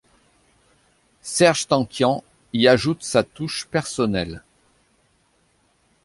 Serj Tankian y ajoute sa touche personnelle.